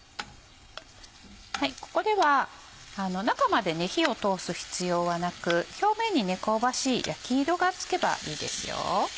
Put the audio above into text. ここでは中まで火を通す必要はなく表面に香ばしい焼き色がつけばいいですよ。